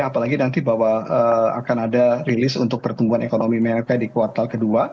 apalagi nanti bahwa akan ada rilis untuk pertumbuhan ekonomi mereka di kuartal kedua